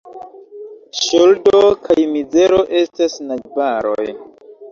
Ŝuldo kaj mizero estas najbaroj.